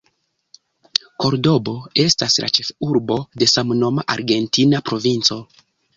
Kordobo estas la ĉefurbo de samnoma argentina provinco.